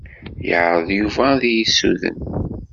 Yeɛṛeḍ Yuba ad iyi-ssuden.